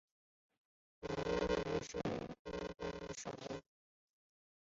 元英于是分兵围守。